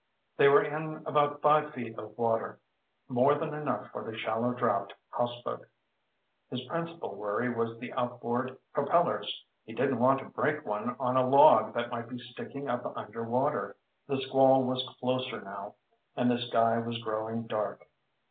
They were in about five feet of water, more than enough for the shallow draft houseboat. His principal worry was the outboard propellers. He didn't want to break one on a log that might be sticking up underwater. The squall was closer now, and the sky was growing dark.